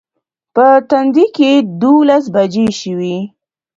په تندي کې دولس بجې شوې.